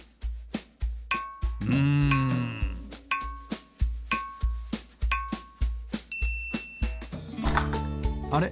うんあれ？